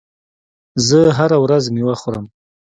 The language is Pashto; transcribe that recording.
زه هره ورځ مېوه خورم.